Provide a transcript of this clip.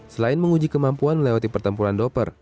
selain menguji kemampuan melewati pertempuran doper